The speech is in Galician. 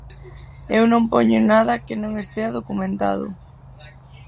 Eu non poño nada que non estea documentado.